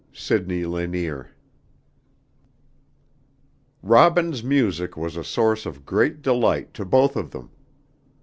SIDNEY LANIER. Robin's music was a source of great delight to both of them.